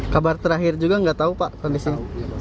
kabar terakhir juga nggak tahu pak kondisi